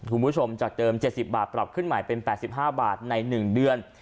คุณผู้ชมจากเดิมเจ็ดสิบบาทปรับขึ้นใหม่เป็นแปดสิบห้าบาทในหนึ่งเดือน